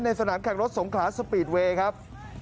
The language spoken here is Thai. สนามแข่งรถสงขลาสปีดเวย์ครับ